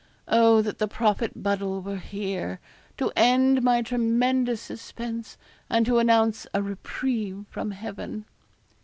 Oh, that the prophet Buddle were here, to end my tremendous suspense, and to announce a reprieve from Heaven.'